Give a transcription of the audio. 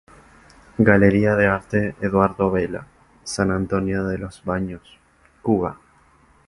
Galería de Arte Eduardo Abela, San Antonio de los Baños, Cuba.